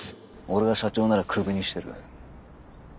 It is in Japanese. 俺が社長ならクビにしてる。